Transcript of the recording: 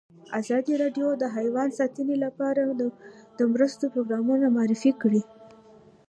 ازادي راډیو د حیوان ساتنه لپاره د مرستو پروګرامونه معرفي کړي.